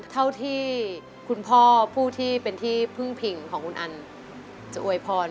เท่าที่คุณพ่อผู้ที่เป็นที่พึ่งผิงของคุณอันจะอวยพร